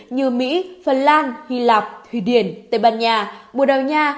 như mỹ phần lan hy lạp thụy điển tây ban nha bồ đào nha